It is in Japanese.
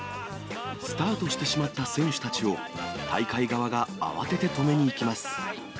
スタートしてしまった選手たちを、大会側が慌てて止めに行きます。